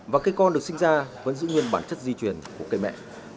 và cây con được sinh ra vẫn giữ nguyên bản chất di truyền của cây mẹ